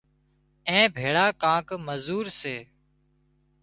اين ڀيۯا ڪانڪ مزور سي